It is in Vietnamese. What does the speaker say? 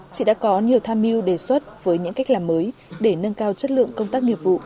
chị đã có nhiều tham mưu đề xuất với những cách làm mới để nâng cao chất lượng công tác nghiệp vụ